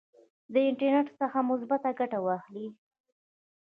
د انټرنیټ څخه مثبته ګټه واخلئ.